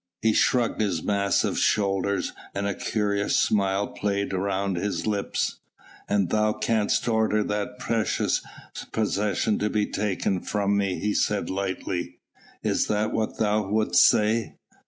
He shrugged his massive shoulders, and a curious smile played round his lips. "And thou canst order that precious possession to be taken from me," he said lightly. "Is that what thou wouldst say?"